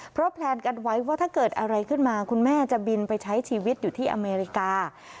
เพราะแพลนกันไว้ว่าถ้าเกิดอะไรขึ้นมาคุณแม่จะบินไปใช้ชีวิตอยู่ที่อเมริกา